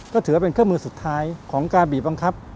ก็ถือว่าเป็นเครื่องมือสุดท้ายของการบีบบังคับ